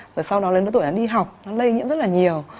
rồi sau đó lên đứa tuổi nó đi học nó lây nhiễm rất là nhiều